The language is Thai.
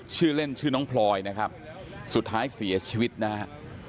ชื่อเล่นชื่อน้องพลอยนะครับสุดท้ายเสียชีวิตนะฮะ